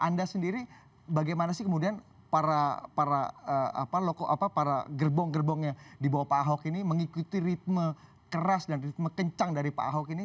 anda sendiri bagaimana sih kemudian para gerbong gerbong yang dibawa pak ahok ini mengikuti ritme keras dan ritme kencang dari pak ahok ini